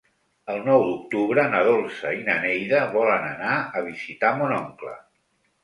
El nou d'octubre na Dolça i na Neida volen anar a visitar mon oncle.